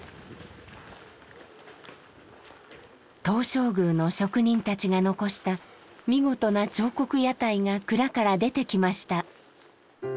東照宮の職人たちが残した見事な彫刻屋台が蔵から出てきました。